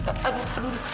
aduh aduh abi tolong